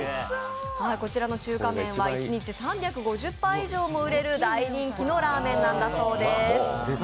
こちらの中華麺は一日３５０杯以上も売れる大人気のラーメンなんだそうです。